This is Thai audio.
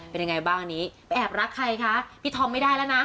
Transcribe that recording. เป็นยังไงบ้างอันนี้ไปแอบรักใครคะพี่ทอมไม่ได้แล้วนะ